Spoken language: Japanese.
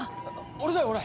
俺だよ俺。